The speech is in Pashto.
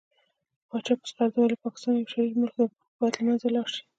پاچا په ځغرده وويل پاکستان يو شرير ملک دى بايد له منځه ولاړ شي .